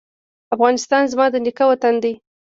افغانستان زما د نیکه وطن دی؟